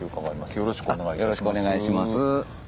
よろしくお願いします。